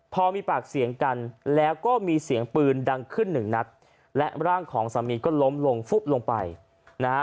พอมีปากเสียงกันแล้วก็มีเสียงปืนดังขึ้นหนึ่งนัดและร่างของสามีก็ล้มลงฟุบลงไปนะฮะ